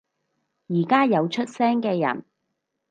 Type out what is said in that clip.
而家有出聲嘅人